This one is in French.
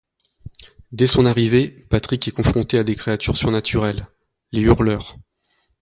Dès son arrivée, Patrick est confronté à des créatures surnaturelles, les Hurleurs.